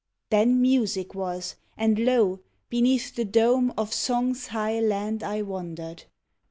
Then music was, and lo ! beneath the dome Of Song's high land I wandered.